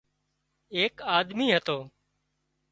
ايڪ آۮمي هتو